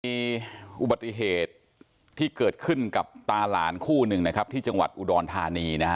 มีอุบัติเหตุที่เกิดขึ้นกับตาหลานคู่นึงที่จังหวัดอุดรทานี